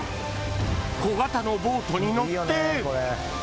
［小型のボートに乗って］